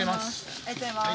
ありがとうございます。